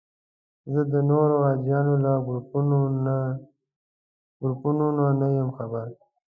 زه د نورو حاجیانو له ګروپونو نه یم خبر.